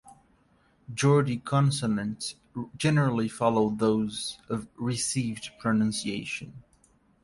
Geordie consonants generally follow those of Received Pronunciation.